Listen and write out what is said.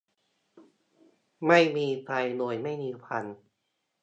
ไม่มีไฟโดยไม่มีควัน